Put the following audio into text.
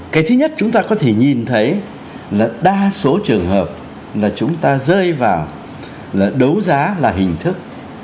cái thứ nhất chúng ta có thể nhìn thấy là đa số trường hợp là chúng ta rơi vào là đấu giá là hình thức